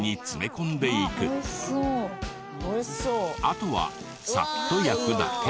あとはサッと焼くだけ。